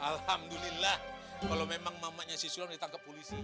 alhamdulillah kalau memang mamanya siswa ditangkap polisi